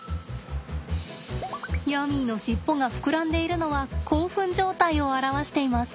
ヤミーの尻尾が膨らんでいるのは興奮状態を表しています。